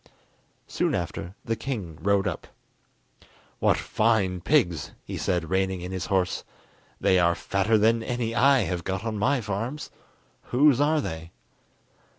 Soon after the king rode up. "What fine pigs!" he said, reining in his horse. "They are fatter than any I have got on my farms. Whose are they?"